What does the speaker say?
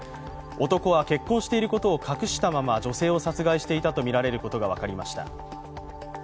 男は結婚していることを隠したまま女性を殺害していたとみられることが分かりました。